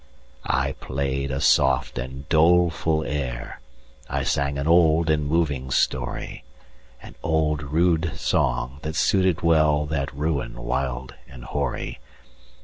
I play'd a soft and doleful air,I sang an old and moving story—An old rude song, that suited wellThat ruin wild and hoary.